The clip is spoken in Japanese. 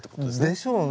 でしょうね。